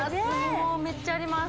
もうめっちゃあります